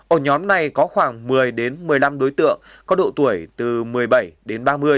ổ nhóm này có khoảng một mươi đến một mươi năm đối tượng có độ tuổi từ một mươi bảy đến ba mươi